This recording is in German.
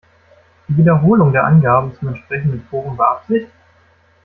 Die Wiederholung der Angaben zum entsprechenden Forum war Absicht?